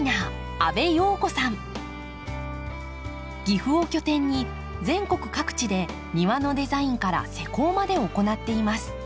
岐阜を拠点に全国各地で庭のデザインから施工まで行っています。